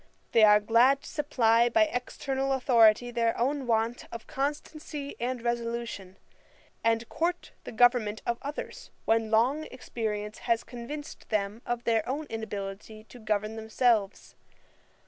They are glad to supply by external authority their own want of constancy and resolution, and court the government of others, when long experience has convinced them of their own inability to govern themselves.